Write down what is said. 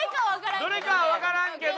どれかはわからんけど。